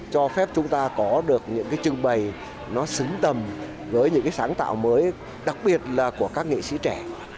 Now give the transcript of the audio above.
chúng ta có được những trưng bày xứng tầm với những sáng tạo mới đặc biệt là của các nghệ sĩ trẻ